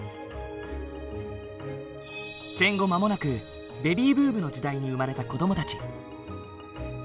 戦後間もなくベビーブームの時代に生まれた子どもたち。